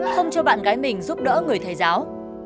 không cho bạn gái mình giúp đỡ người thầy giáo